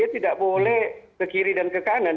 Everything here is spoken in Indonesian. dia tidak boleh ke kiri dan ke kanan